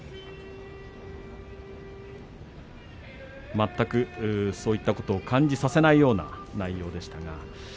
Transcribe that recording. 全くそういったことを感じさせないような内容でした。